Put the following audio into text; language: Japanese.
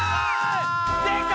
できた！